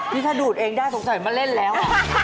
นี่ถ้าดูดเองได้สงสัยมาเล่นแล้ว